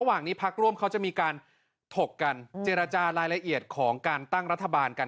อย่างนี้พักร่วมเขาจะมีการถกกันเจรจารายละเอียดของการตั้งรัฐบาลกัน